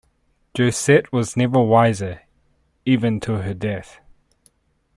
Josette was never wiser, even to her death.